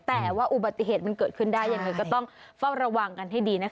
แต่ว่าอุบัติเหตุมันเกิดขึ้นได้ยังไงก็ต้องเฝ้าระวังกันให้ดีนะคะ